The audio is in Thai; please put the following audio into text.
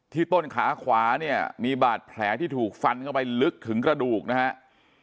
ต้นขาขวาเนี่ยมีบาดแผลที่ถูกฟันเข้าไปลึกถึงกระดูกนะครับ